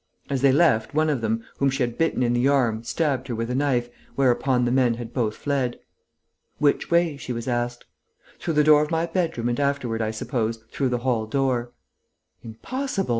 As they left, one of them, whom she had bitten in the arm, stabbed her with a knife, whereupon the men had both fled. "Which way?" she was asked. "Through the door of my bedroom and afterward, I suppose, through the hall door." "Impossible!